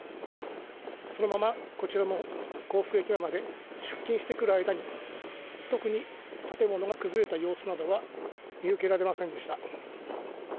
そのままこちらの甲府駅の前まで出勤してくる間に、特に建物が崩れた様子などは見受けられませんでした。